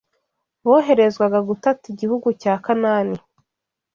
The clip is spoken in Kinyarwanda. boherezwaga gutata igihugu cya Kanani.